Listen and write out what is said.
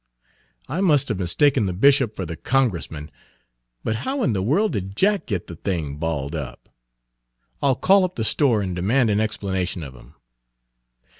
I must have mistaken the bishop for the Congressman! But how in the world did Jack get the thing balled up? I'll call up the store and demand an explanation of him.